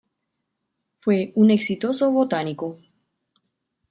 Fue un exitoso botánico.